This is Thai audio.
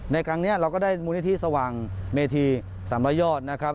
ในครั้งนี้เราก็ได้มูลนิธิสว่างเมธีสัมรยอดนะครับ